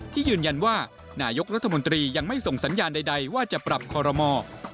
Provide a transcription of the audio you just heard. ที่ยืนยันว่านายกรัฐมนตรียังไม่ส่งสัญญาณใดว่าจะปรับคอรมอ